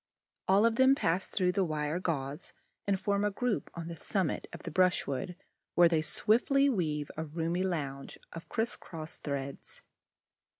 All of them pass through the wire gauze and form a group on the summit of the brushwood, where they swiftly weave a roomy lounge of criss cross threads.